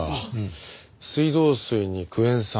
水道水にクエン酸。